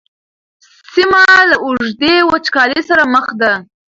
سیمه له اوږدې وچکالۍ سره مخ ده.